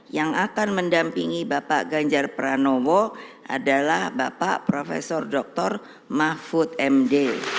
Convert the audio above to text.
yang akan mendampingi bapak ganjar pranowo adalah bapak prof dr mahfud md